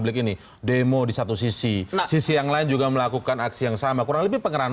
demo di satu sisi sisi yang lain juga melakukan aksi yang sama kurang lebih pengerahan